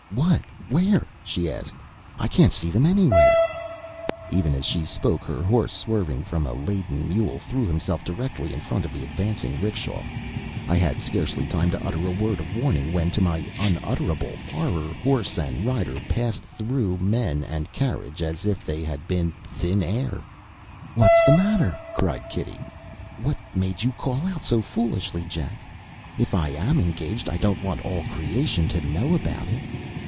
"What? Where?" she asked. "I can't see them anywhere." Even as she spoke her horse, swerving from a laden mule, threw himself directly in front of the advancing 'rickshaw. I had scarcely time to utter a word of warning when, to my unutterable horror, horse and rider passed through men and carriage as if they had been thin air. "What's the matter?" cried Kitty; "what made you call out so foolishly, Jack? If I am engaged I don't want all creation to know about it.